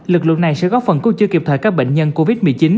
lực lượng này sẽ góp phần cung chưa kịp thời các bệnh nhân covid một mươi chín